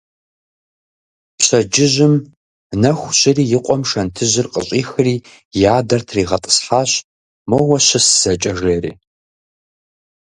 Пщэджыжьым нэху щыри и къуэм шэнтыжьыр къыщӀихри и адэр тригъэтӀысхьащ, моуэ щыс зэкӀэ жери.